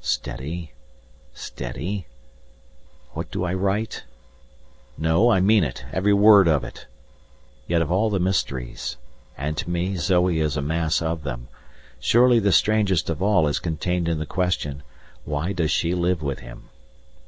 Steady! Steady! What do I write? No! I mean it, every word of it. Yet of all the mysteries, and to me Zoe is a mass of them, surely the strangest of all is contained in the question: Why does she live with him?